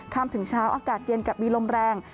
ถึงเช้าอากาศเย็นกับมีลมแรง